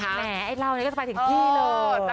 แหละไอ้เราเนี่ยก็จะไปถึงที่เนอะ